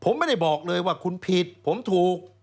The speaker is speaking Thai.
ผมไม่ได้บอกเลยว่าคุณผิดผมถูก